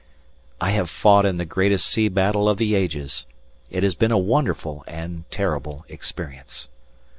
I have fought in the greatest sea battle of the ages; it has been a wonderful and terrible experience.